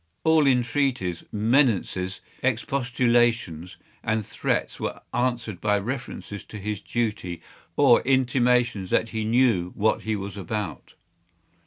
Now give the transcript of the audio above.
All entreaties, menaces, expostulations, and threats were answered by references to his duty, or intimations that he knew what he was about.